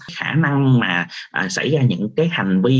khả năng mà xảy ra những cái hành vi